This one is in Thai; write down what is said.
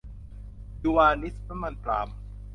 ยูนิวานิชน้ำมันปาล์ม